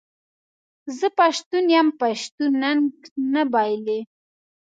زه پښتون یم پښتون ننګ نه بایلي.